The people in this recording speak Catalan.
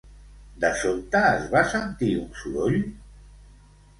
De sobte es va sentir un soroll?